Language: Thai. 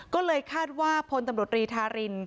ก็เลยคาดว่าพลตำรวจรีธาริน